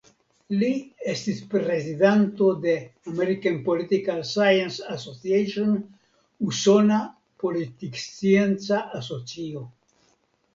Li estis prezidanto de "American Political Science Association" (Usona Politkscienca Asocio).